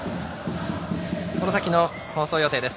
この先の放送予定です。